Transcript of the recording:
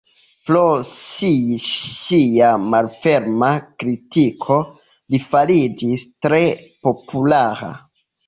Pro sia malferma kritiko li fariĝis tre populara.